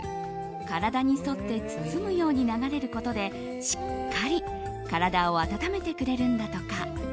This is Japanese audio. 体に沿って包むように流れることでしっかり体を温めてくれるんだとか。